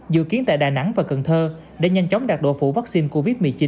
dự kiến tại đà nẵng và cần thơ để nhanh chóng đạt độ phủ vaccine covid một mươi chín cao nhất có thể